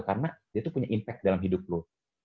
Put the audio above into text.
karena dia tuh punya impact dalam hidup lo